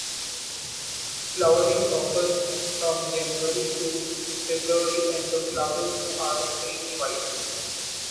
Flowering occurs from January to February and the flowers are creamy white.